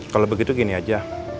kalau begitu gini aja